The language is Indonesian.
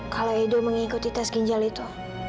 kalau edo mengikuti tes ginjal itu